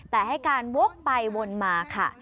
แต่ให้การวกไปวนมาค่ะ